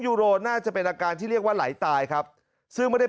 ยูโรน่าจะเป็นอาการที่เรียกว่าไหลตายครับซึ่งไม่ได้